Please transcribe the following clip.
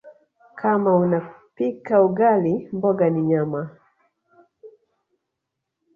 Kama unapika ugali mboga ni nyama